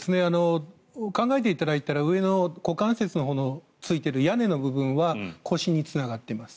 考えていただいたら上の股関節についている屋根の部分は腰につながっています。